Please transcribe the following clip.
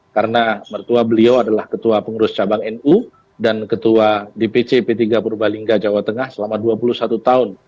karena mertua beliau adalah ketua pengurus cabang nu dan ketua dpc p tiga purbalingga jawa tengah selama dua puluh satu tahun